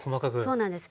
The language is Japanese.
そうなんです。